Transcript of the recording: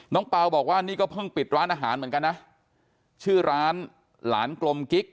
เปล่าบอกว่านี่ก็เพิ่งปิดร้านอาหารเหมือนกันนะชื่อร้านหลานกลมกิ๊ก